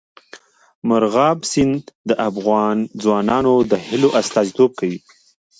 مورغاب سیند د افغان ځوانانو د هیلو استازیتوب کوي.